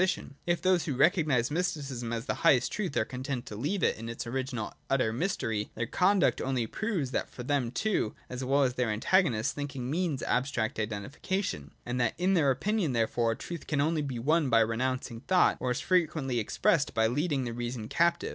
And if those who recognise Mysticism as the highest truth are content to leave it in its original utter mystery, their conduct only proves that for them too, as well as for their antagonists, thinking means abstract iden tification, and that in their opinion, therefore, truth can only be won by renouncing thought, or as it is frequently ex pressed, by leading the reason captive.